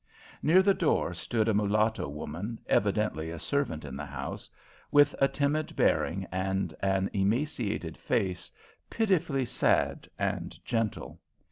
Near the door stood a mulatto woman, evidently a servant in the house, with a timid bearing and an emaciated face pitifully sad and gentle.